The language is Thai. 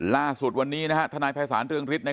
ล่าสุดวันนี้ธนายภายศาสตร์เรื่องฤทธิ์